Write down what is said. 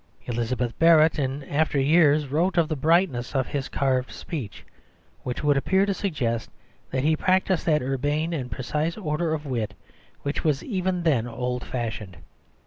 Elizabeth Barrett in after years wrote of "the brightness of his carved speech," which would appear to suggest that he practised that urbane and precise order of wit which was even then old fashioned.